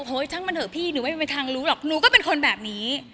ช่างมันเถอะพี่หนูไม่มีทางรู้หรอกหนูก็เป็นคนแบบนี้